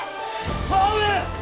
母上！